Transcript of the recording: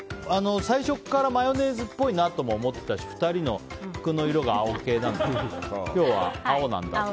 最初からマヨネーズっぽいなと思っていたし２人の服の色が青系なので今日は青なんだと。